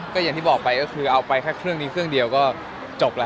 ก็อย่างที่บอกไปก็คือเอาไปแค่เครื่องนี้เครื่องเดียวก็จบแล้ว